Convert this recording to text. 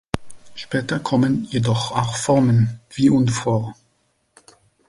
Später kommen jedoch auch Formen wie und vor.